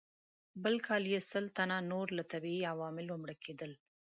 بل کال یې سل تنه نور له طبیعي عواملو مړه کېدل.